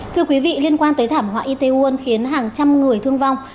thưa quý vị liên quan tới thảm họa itaewon khiến hàng trăm người thương vong